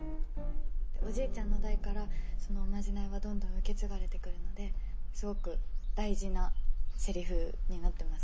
おじいちゃんの代からそのおまじないはどんどん受け継がれてくるのですごく大事なせりふになってます。